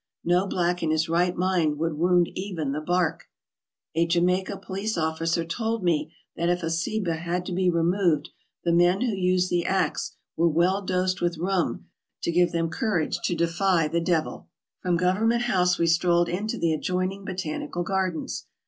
No black in his right mind would wound even the bark. A Jamaica police officer told me that if a ceiba had to be re moved the men who used the ax were well dosed with rum to give them courage to defy the devil. From Government House we strolled into the adjoining Botanical Gardens.